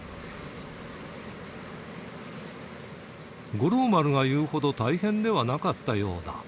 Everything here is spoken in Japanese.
五郎丸が言うほど大変ではなかったようだ。